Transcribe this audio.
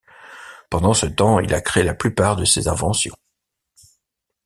Pendant ce temps, il a créé la plupart de ses inventions.